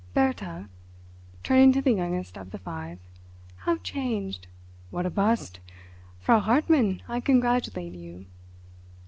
Bertha," turning to the youngest of the five, "how changed! What a bust! Frau Hartmann, I congratulate you."